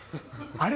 あれ